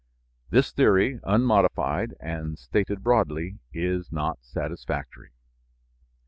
This theory, unmodified and stated broadly, is not satisfactory.